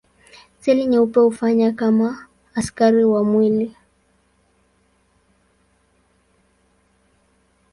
Seli nyeupe hufanya kama askari wa mwili.